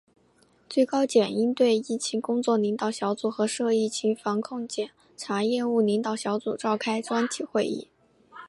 最高检应对疫情工作领导小组和涉疫情防控检察业务领导小组召开专题会议